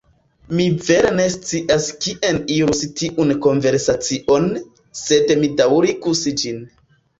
Mi vere ne scias kien irus tiun konversacion, sed mi daŭrigus ĝin.